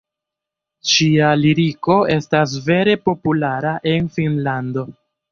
Ŝia liriko estas vere populara en Finnlando.